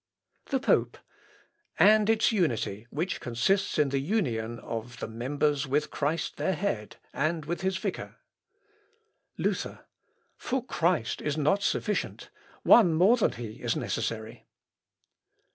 The Pope. "And its unity, which consists in the union of the members with Christ their head ... and with his vicar...." Luther. "For Christ is not sufficient; one more than he is necessary."